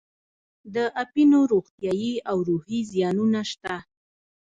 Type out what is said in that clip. د اپینو روغتیایي او روحي زیانونه شته.